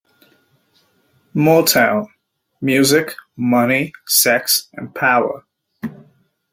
"Motown : Music, Money, Sex, and Power".